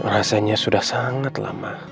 rasanya sudah sangat lama